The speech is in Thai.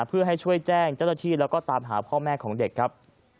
เพื่อให้ช่วยแจ้งเจ้าหน้าที่แล้วก็ตามหาพ่อแม่ของเด็กครับ